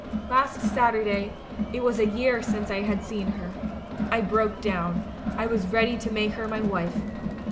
"Last Saturday, it was a year since I had seen her. I broke down — I was ready to make her my wife.